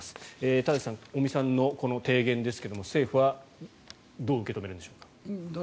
田崎さん、尾身さんの提言ですが政府はどう受け止めるんでしょうか？